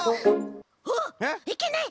はっいけない！